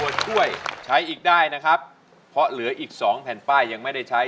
ตัวช่วยใช้อีกได้นะครับเพราะเหลืออีกสองแผ่นป้ายยังไม่ได้ใช้